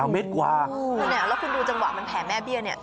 เมตรกว่าแล้วคุณดูจังหวะมันแผ่แม่เบี้ยเนี่ย